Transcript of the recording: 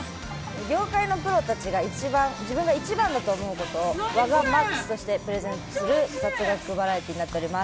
業界のプロたちが自分が一番だと思うことを我がＭＡＸとしてプレゼントする雑学バラエティとなっています。